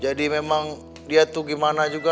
jadi memang dia itu gimana juga